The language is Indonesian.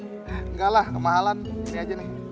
enggak lah kemahalan ini aja nih